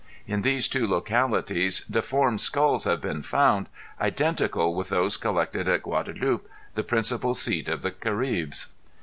In these two localities deformed skulls have been found identical with those collected at Guadalupe, the principal seat of the Caribes.